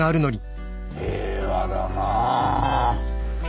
平和だな。